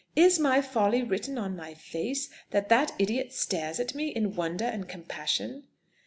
"Is my folly written on my face, that that idiot stares at me in wonder and compassion?"